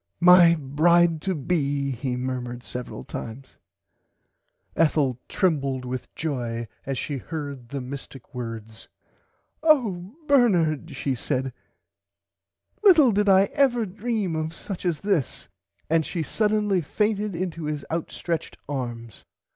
My bride to be he murmered several times. [Pg 93] Ethel trembled with joy as she heard the mistick words. Oh Bernard she said little did I ever dream of such as this and she suddenly fainted into his out stretched arms.